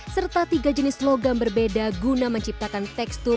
serta tiga jenis logam berbeda guna menciptakan tekstur